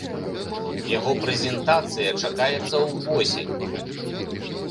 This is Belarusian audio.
Яго прэзентацыя чакаецца ўвосень.